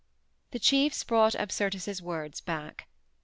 The chiefs brought Apsyrtus's words back.